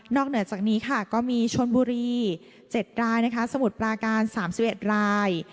นอกเหนือจากนี้ก็มีชนบุรี๗รายสมุดปราการ๓๑ราย